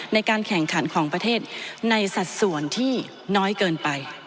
ในการแข่งขันของประเทศในสัดส่วนที่น้อยเกินไป